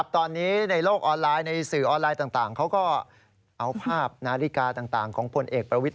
ตอนนี้ในโลกออนไลน์ในสื่อออนไลน์ต่างเขาก็เอาภาพนาฬิกาต่างของพลเอกประวิทธ